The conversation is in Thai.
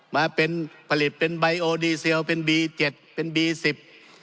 มาเป็นผลิตเป็นไบโอดีเซลเป็นบีเจ็ดเป็นบีสิบ